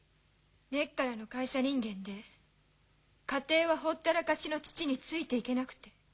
根っからの会社人間で家庭はほったらかしの父についていけなくて。